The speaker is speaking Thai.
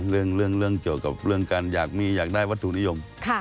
เรื่องเจากับการอยากจะได้วัตถุนิยม